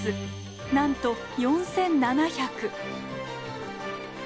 なんと４，７００。